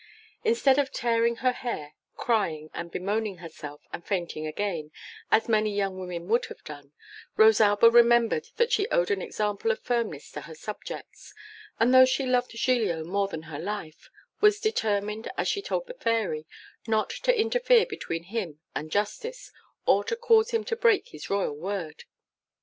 Instead of tearing her hair, crying, and bemoaning herself, and fainting again, as many young women would have done, Rosalba remembered that she owed an example of firmness to her subjects; and though she loved Giglio more than her life, was determined, as she told the Fairy, not to interfere between him and justice, or to cause him to break his royal word.